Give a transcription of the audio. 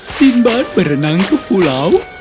sinbad berenang ke pulau